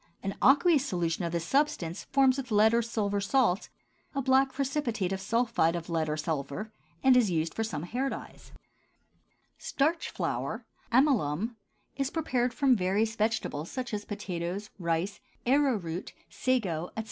An aqueous solution of this substance forms with lead or silver salts a black precipitate of sulphide of lead or silver, and is used for some hair dyes. STARCH FLOUR (amylum) is prepared from various vegetables such as potatoes, rice, arrowroot, sago, etc.